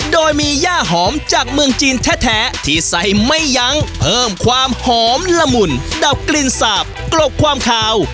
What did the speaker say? โดยมีย่าหอมจากเมืองจีนแท้ที่ใส่ไม่ยั้งเพิ่มความหอมละมุนดับกลิ่นสาบกรบความคาว